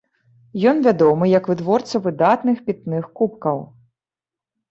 Ён вядомы як вытворца выдатных пітных кубкаў.